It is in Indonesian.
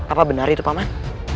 apa benar itu pak man